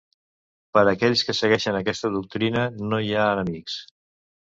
Per a aquells que segueixen aquesta doctrina, no hi ha enemics.